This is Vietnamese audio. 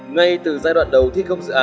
ngay từ giai đoạn đầu thi công dự án